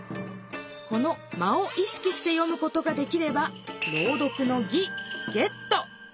この「間」をいしきして読むことができれば朗読の「技」ゲット！